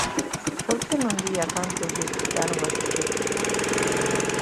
¿Por que non di a cantos lles quitaron a subvención?